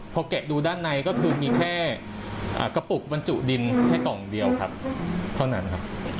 พอแกะดูด้านในก็คือมีแค่กระปุกบรรจุดินแค่กล่องเดียวครับเท่านั้นครับ